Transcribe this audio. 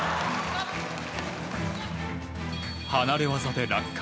離れ技で落下。